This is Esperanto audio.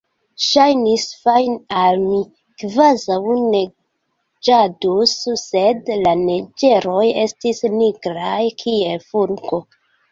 Ŝajnis fine al mi, kvazaŭ neĝadus, sed la neĝeroj estis nigraj kiel fulgo.